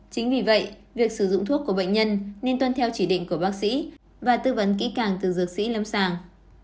chính vì vậy việc sử dụng thuốc của bệnh nhân nên tuân theo chỉ định của bác sĩ và tư vấn kỹ càng từ dược sĩ lâm sàng